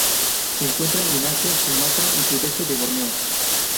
Se encuentran en Asia: Sumatra y sudeste de Borneo.